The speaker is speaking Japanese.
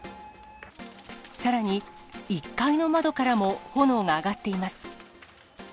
さらに、１階の窓からも炎が上がっています。